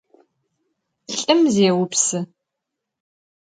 Lh'ım zêupsı.